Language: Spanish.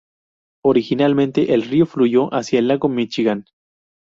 Originalmente, el río fluyó hacia el lago Míchigan.